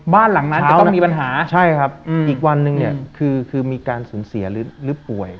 บ้านหลังนั้นจะต้องมีปัญหาใช่ครับอีกวันหนึ่งเนี่ยคือคือมีการสูญเสียหรือป่วย